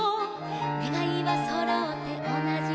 「ねがいはそろって同じ串」